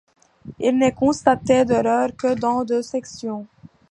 Il n'est constaté d'erreurs que dans deux sections.